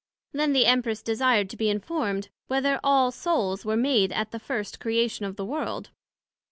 Then the Empress desired to be informed, Whether all Souls were made at the first Creation of the World?